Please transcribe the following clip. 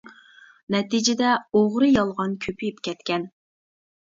نەتىجىدە ئوغرى- يالغان كۆپىيىپ كەتكەن.